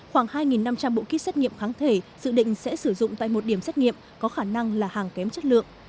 khoảng hai năm trăm linh bộ kit xét nghiệm kháng thể dự định sẽ sử dụng tại một điểm xét nghiệm có khả năng là hàng kém chất lượng